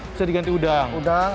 bisa diganti udang